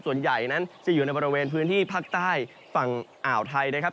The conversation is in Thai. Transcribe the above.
ส่วนใหญ่นั้นจะอยู่ในบริเวณพื้นที่ภาคใต้ฝั่งอ่าวไทยนะครับ